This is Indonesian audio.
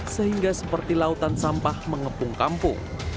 sehingga seperti lautan sampah mengepung kampung